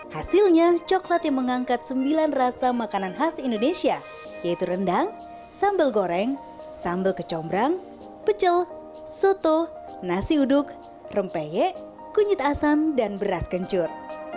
hasilnya coklat yang mengangkat sembilan rasa makanan khas indonesia yaitu rendang sambal goreng sambal kecombrang pecel soto nasi uduk rempeyek kunyit asam dan beras kencur